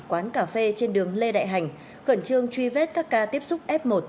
quán cà phê trên đường lê đại hành khẩn trương truy vết các ca tiếp xúc f một